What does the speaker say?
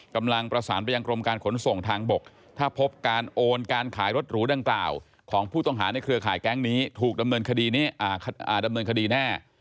กำลังประสานไปยังกรมการขนส่งทางบกถ้าพบการโอนการขายรถหรูดังกล่าวของผู้ต้องหาในเครือข่ายแก๊งนี้ถูกดำเนินคดีแน่